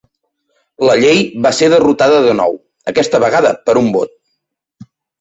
La llei va ser derrotada de nou, aquesta vegada per un vot.